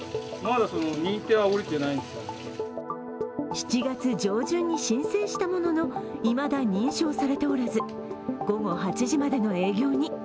７月上旬に申請したものの、まだ認証されておらず午後８時までの営業に。